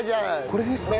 これですか？